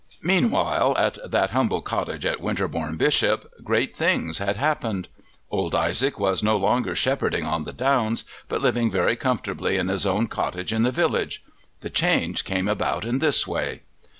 Meanwhile at that humble cottage at Winterbourne Bishop great things had happened; old Isaac was no longer shepherding on the downs, but living very comfortably in his own cottage in the village. The change came about in this way.